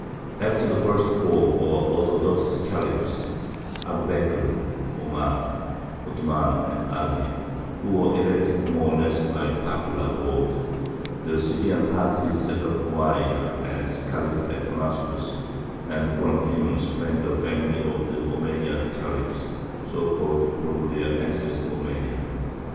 After the first four (or "orthodox") Khalifs, Abu Bekr, Omar, Othmān, and Aly, who were elected more or less by popular vote, the Syrian party set up Moāwia as Khalif at Damascus, and from him sprang the family of the Omeyyad Khalifs, so called from their ancestor Omeyya.